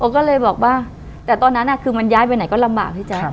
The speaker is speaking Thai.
ก็เลยบอกว่าแต่ตอนนั้นคือมันย้ายไปไหนก็ลำบากพี่แจ๊ค